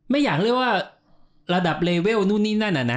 ไม่อยากเรียกว่าระดับเลเวลนู่นนี่นั่นน่ะนะ